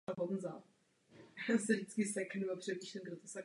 Mezi nimi je obrovský rozdíl.